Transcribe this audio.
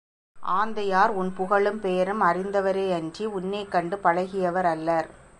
ஆந்தையார், உன் புகழும், பெயரும் அறிந்தவரேயன்றி, உன்னைக் கண்டு பழகியவர் அல்லர்.